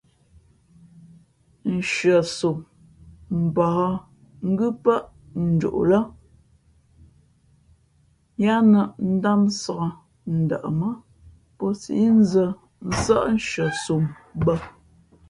Hʉαsom mbα̌h ngʉ́ pάʼ njoʼ lά yáá nᾱp ndámsāk, ndαʼmά pō síʼ nzᾱ nsάʼ nshʉαsom bᾱ.